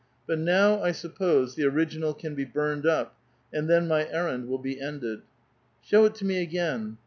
But now, I suppose, the original can be burned up, and then my errand will be ended." Show it to me again